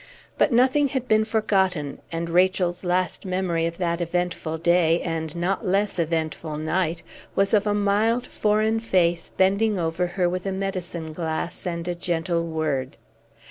But nothing had been forgotten; and Rachel's last memory of that eventful day, and not less eventful night, was of a mild, foreign face bending over her with a medicine glass and a gentle word.